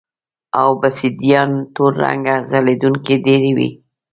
اوبسیدیان تور رنګه ځلېدونکې ډبرې وې